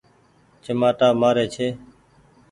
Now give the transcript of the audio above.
چمآٽآ مآري ڇي۔